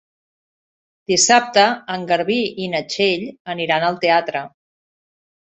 Dissabte en Garbí i na Txell aniran al teatre.